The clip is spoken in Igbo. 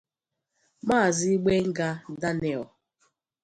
Maazị Gbenga Daniel.